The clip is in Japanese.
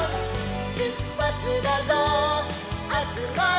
「しゅっぱつだぞあつまれ」